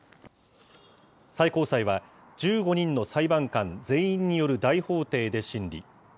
最高裁は、１５人の裁判官全員による大法廷で審理。